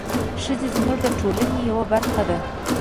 ښځې زموږ د ټولنې یوه برخه ده.